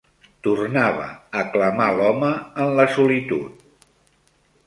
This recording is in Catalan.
Tornava a clamar l'home en la solitud